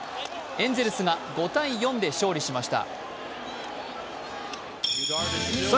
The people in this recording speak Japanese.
エンゼルスが５−４で勝利しました。